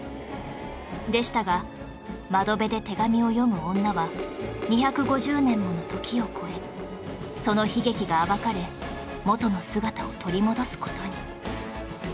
でしたが『窓辺で手紙を読む女』は２５０年もの時を超えその悲劇が暴かれ元の姿を取り戻す事に